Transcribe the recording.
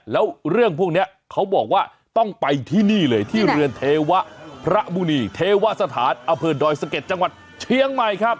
แล้วเรื่องพวกนี้เขาบอกว่าต้องไปที่นี่เลยที่เรือนเทวะพระมุณีเทวสถานอำเภอดอยสะเก็ดจังหวัดเชียงใหม่ครับ